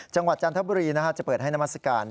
จังหวัดจันทบุรีนะครับจะเปิดให้นามสการ